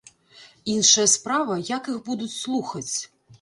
Іншая справа, як іх будуць слухаць.